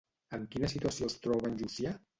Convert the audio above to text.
En quina situació es troba en Llucià?